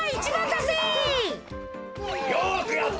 よくやった！